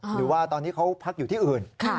หรือว่าตอนนี้เขาพักอยู่ที่อื่น